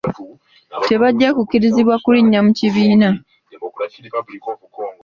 Tebajja kukkirizibwa kulinnya mu kibiina.